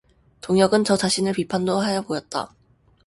동혁은 저 자신을 비판도 하여 보았다.